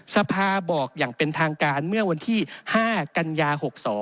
สภาบอกอย่างเป็นทางการเมื่อวันที่๕กันยา๖๒